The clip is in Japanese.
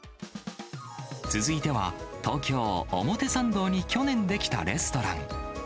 続いては、東京・表参道に去年出来たレストラン。